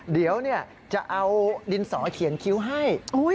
เดี๋ยวจะเอาดินสอเขียนคิ้วให้